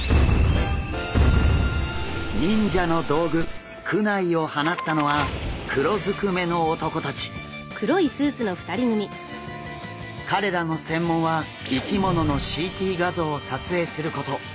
忍者の道具クナイを放ったのは彼らの専門は生き物のＣＴ画像を撮影すること。